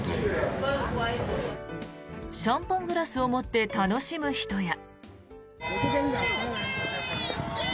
シャンパングラスを持って楽しむ人や。